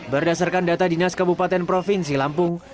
berdasarkan data dinas kabupaten provinsi lampung